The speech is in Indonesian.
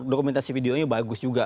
dokumenasi videonya bagus juga